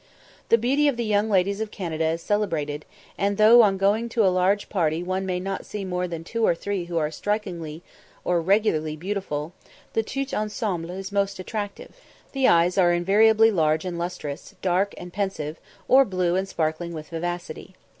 The beauty of the young ladies of Canada is celebrated, and, though on going into a large party one may not see more than two or three who are strikingly or regularly beautiful, the tout ensemble is most attractive; the eyes are invariably large and lustrous, dark and pensive, or blue and sparkling with vivacity.